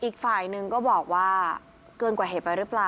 อีกฝ่ายหนึ่งก็บอกว่าเกินกว่าเหตุไปหรือเปล่า